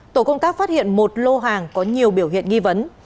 tổ công tác phát hiện một lô hàng có nhiều biểu hiện nghi vấn